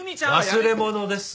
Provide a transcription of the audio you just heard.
忘れ物です。